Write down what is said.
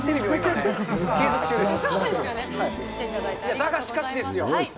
だがしかしですよ。